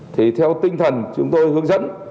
thì theo tinh thần chúng tôi hướng dẫn